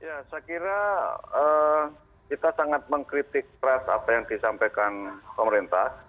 ya saya kira kita sangat mengkritik keras apa yang disampaikan pemerintah